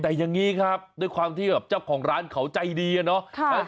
แต่อย่างนี้ครับด้วยความที่แบบเจ้าของร้านเขาใจดีอะเนาะ